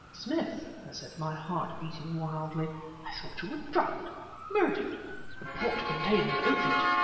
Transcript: "Smith," I said, my heart beating wildly, "I thought you were drugged murdered. The port contained an opiate."